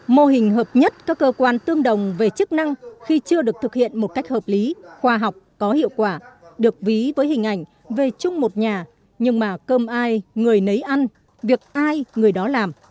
mô hình hợp nhất các cơ quan tương đồng về chức năng khi chưa được thực hiện một cách hợp lý khoa học có hiệu quả được ví với hình ảnh về chung một nhà nhưng mà cơm ai người nấy ăn việc ai người đó làm